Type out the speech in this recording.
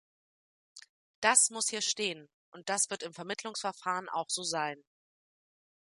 Das muss hier stehen, und das wird im Vermittlungsverfahren auch so sein.